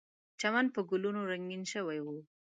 چمن په ګلونو رنګین شوی و.